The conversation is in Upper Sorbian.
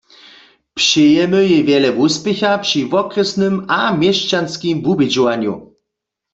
Přejemy jej wjele wuspěcha při wokrjesnym a měsćanskim wubědźowanju.